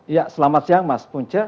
ya selamat siang mas punca